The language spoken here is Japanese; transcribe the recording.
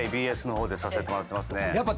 ＢＳの方でさせてもらってますね。